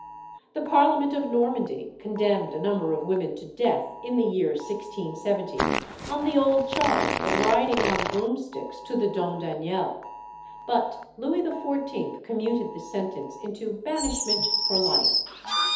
The parliament of Normandy condemned a number of women to death, in the year 1670, on the old charge of riding on broomsticks to the Domdaniel; but Louis XIV. commuted the sentence into banishment for life.